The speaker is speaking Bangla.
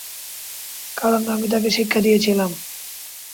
কারণ আমি তাকে শিক্ষা দিয়েছিলাম।